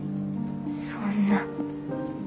そんな。